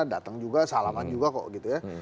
datang juga salaman juga kok gitu ya